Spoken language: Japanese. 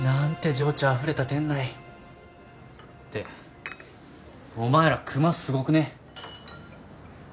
情緒あふれた店内ってお前らクマすごくね？